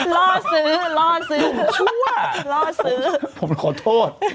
รอดซื้อหนุ่มชั่วรอดซื้อผมขอโทษ